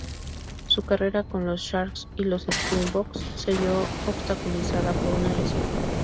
Su carrera con los Sharks y los Springboks se vio obstaculizado por una lesión.